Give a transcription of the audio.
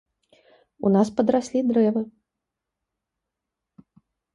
У нас падраслі дрэвы!